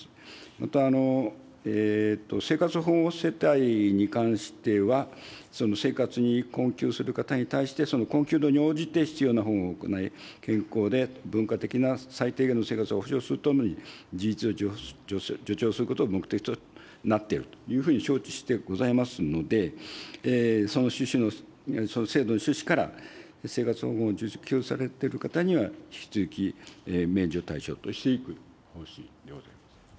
また、生活保護世帯に関しては、生活に困窮する方に対して、その困窮度に応じて必要な保護を行い、健康で文化的な最低限の生活を扶助するとともに自立を助長することを目的となっているというふうに承知してございますので、その制度の趣旨から生活保護を受給されている方には、引き続き免除対象としていく方針でございます。